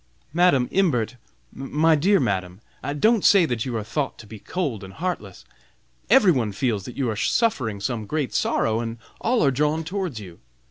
"Madam Imbert, my dear Madam, don't say that you are thought to be cold and heartless! Every one feels that you are suffering some great sorrow, and all are drawn towards you.